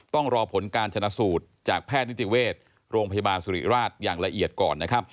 ต้องรอผลการชนะสูตรจากแพทย์นิติเวชโรงพยาบาลสุริราชอย่างละเอียดก่อนนะครับ